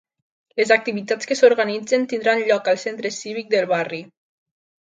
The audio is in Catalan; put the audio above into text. Les activitats que s'organitzen tindran lloc al centre cívic del barri.